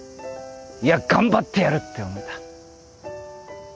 いや頑張ってやるって思えた。